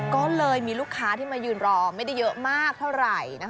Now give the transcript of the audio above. ก็เลยมีลูกค้าที่มายืนรอไม่ได้เยอะมากเท่าไหร่